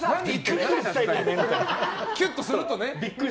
キュッとするとね。